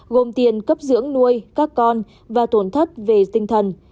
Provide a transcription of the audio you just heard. gồm tiền cấp dưỡng nuôi các con và tổn thất về tinh thần